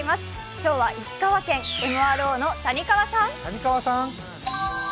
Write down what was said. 今日は石川県、ＭＲＯの谷川さん。